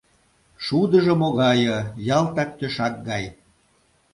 Шудыжо могае — ялтак тӧшак гай!